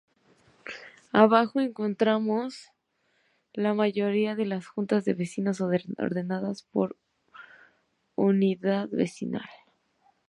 Abajo encontramos la mayoría de las Juntas de Vecinos ordenadas por Unidad Vecinal.